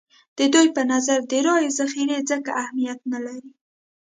د دوی په نظر د رایو ذخیرې ځکه اهمیت نه لري.